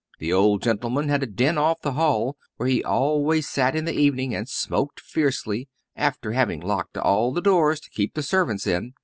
The old gentleman had a den off the hall where he always sat in the evening and smoked fiercely, after having locked all the doors to keep the servants in.